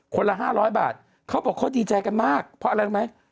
ละ๕๐๐บาทเขาบอกเขาดีใจกันมากเพราะอะไรรู้ไหม